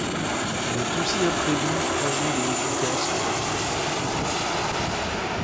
Elle est aussi imprévue, fragile et efficace que la vie même.